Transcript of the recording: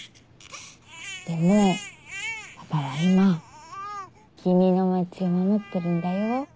でもパパは今君の町を守ってるんだよ。